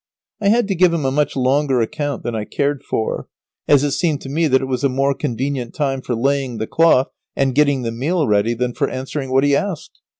I had to give him a much longer account than I cared for, as it seemed to me that it was a more convenient time for laying the cloth and getting the meal ready than for answering what he asked.